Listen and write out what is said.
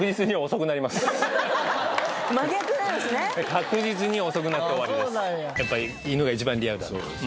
確実に遅くなって終わりです。